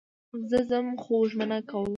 زه ځم خو ژمنه کوم